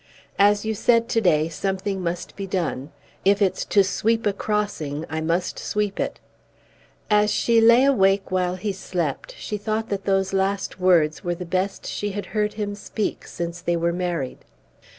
As you said to day, something must be done. If it's to sweep a crossing, I must sweep it." As she lay awake while he slept, she thought that those last words were the best she had heard him speak since they were married.